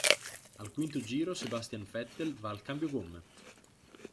Al quinto giro Sebastian Vettel va al cambio gomme.